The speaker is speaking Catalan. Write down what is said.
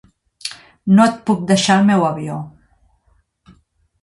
No et puc deixar el meu avió.